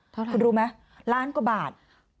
เท่าไหร่คุณรู้ไหมล้านกว่าบาท